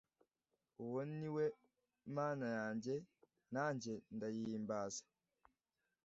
Uwo ni we Mana yanjye, nanjye ndayihimbaza